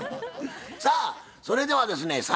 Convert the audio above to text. さあそれではですね